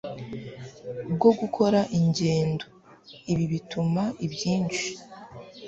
bwo gukora ingendo. Ibi bituma ibyinshi